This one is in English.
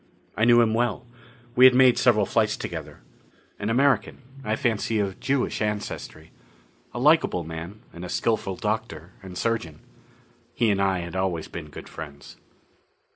I knew him well: we had made several flights together. An American I fancy of Jewish ancestry. A likable man, and a skillful doctor and surgeon. He and I had always been good friends.